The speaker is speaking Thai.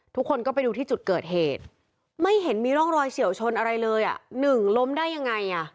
ทุกคนก็ไปดูที่จุดเกิดเหตุไม่เห็นมีร่องรอยเฉียวชนอะไรเลยอ่ะหนึ่งล้มได้ยังไงอ่ะ